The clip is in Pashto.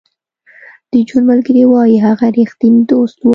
د جون ملګري وایی هغه رښتینی دوست و